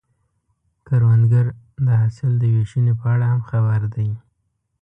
کروندګر د حاصل د ویشنې په اړه هم خبر دی